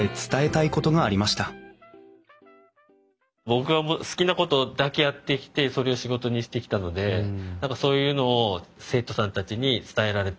僕が好きなことだけやってきてそれを仕事にしてきたので何かそういうのを生徒さんたちに伝えられたらいいなあと思いながら。